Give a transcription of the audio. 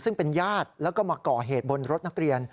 ซึ่งเป็นญาติแล้วก็มาก่อเหตุบนรถนักเรียน